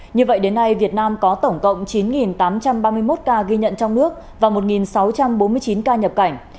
như vậy đến nay việt nam có tổng cộng chín tám trăm ba mươi một ca ghi nhận trong nước và một sáu trăm bốn mươi chín ca nhập cảnh